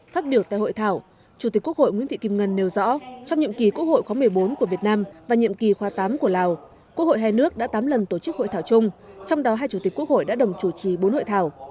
phát biểu tại hội thảo chủ tịch quốc hội nguyễn thị kim ngân nêu rõ trong nhiệm kỳ quốc hội khóa một mươi bốn của việt nam và nhiệm kỳ khóa tám của lào quốc hội hai nước đã tám lần tổ chức hội thảo chung trong đó hai chủ tịch quốc hội đã đồng chủ trì bốn hội thảo